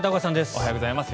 おはようございます。